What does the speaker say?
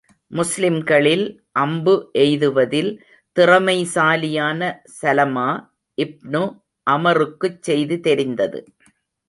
முஸ்லிம்களில் அம்பு எய்துவதில் திறமைசாலியான ஸலமா இப்னு அமறுக்குச் செய்தி தெரிந்தது.